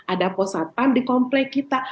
ada posatan di komplek kita